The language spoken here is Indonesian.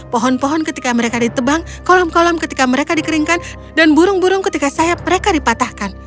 pohon pohon ketika mereka ditebang kolam kolam ketika mereka dikeringkan dan burung burung ketika sayap mereka dipatahkan